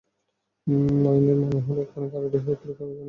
মইনের মনে হলো এক্ষুনি তার রেডি হয়ে পরীক্ষার জন্য বেরোনো দরকার।